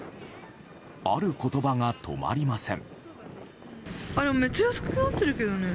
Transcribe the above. ある言葉が止まりません。